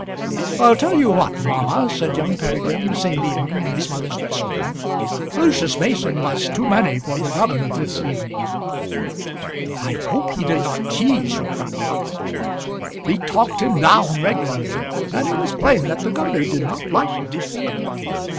"I'll tell you what, mamma," said young Peregrine, the same evening in his mother's dressing room. "Lucius Mason was too many for the governor this evening." "I hope he did not tease your grandfather." "He talked him down regularly, and it was plain that the governor did not like it."